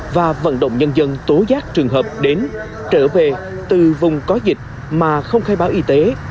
và vận động nhân dân tố giác trường hợp đến trở về từ vùng có dịch mà không khai báo y tế